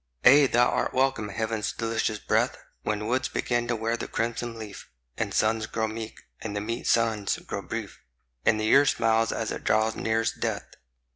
Ay, thou art welcome, heaven's delicious breath, When woods begin to wear the crimson leaf, And suns grow meek, and the meek suns grow brief, And the year smiles as it draws near its death.